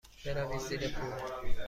بروید زیر پل.